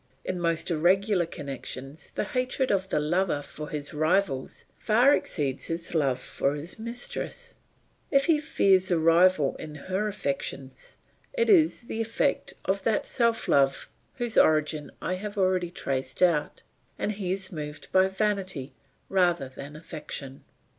In most irregular connections the hatred of the lover for his rivals far exceeds his love for his mistress; if he fears a rival in her affections it is the effect of that self love whose origin I have already traced out, and he is moved by vanity rather than affection.